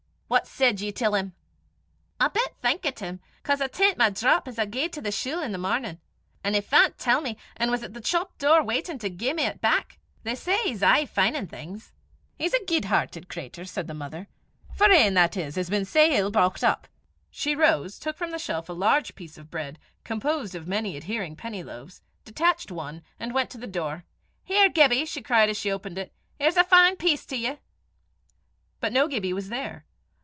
What said ye till 'im?" "I bit thankit 'im, 'cause I tint my drop as I gaed to the schuil i' the mornin', an' he fan 't till me, an' was at the chopdoor waitin' to gie me 't back. They say he's aye fin'in' things." "He's a guid hertit cratur!" said the mother, "for ane, that is, 'at's been sae ill broucht up." She rose, took from the shelf a large piece of bread, composed of many adhering penny loaves, detached one, and went to the door. "Here, Gibbie!" she cried as she opened it; "here's a fine piece to ye." But no Gibbie was there.